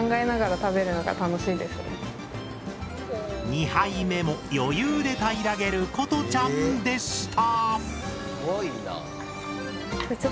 二杯目も余裕で平らげる瑚都ちゃんでした！